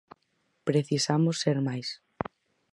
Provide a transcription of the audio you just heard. Precisamos ser máis.